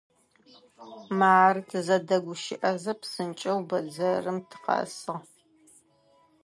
Мары, тызэдэгущыӏэзэ, псынкӏэу бэдзэрым тыкъэсыгъ.